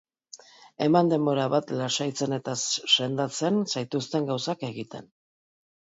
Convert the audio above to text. Eman denbora bat lasaitzen eta sendatzen zaituzten gauzak egiten.